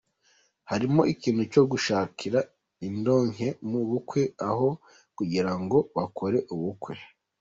Harimo ikintu cyo gushakira indonke mu bukwe aho kugira ngo bakore ubukwe.